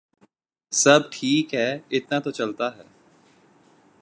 سب ٹھیک ہے ، اتنا تو چلتا ہے ۔